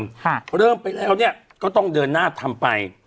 ค่ะเริ่มไปแล้วเนี้ยก็ต้องเดินหน้าทำไป